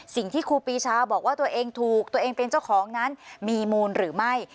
ครูปีชาบอกว่าตัวเองถูกตัวเองเป็นเจ้าของนั้นมีมูลหรือไม่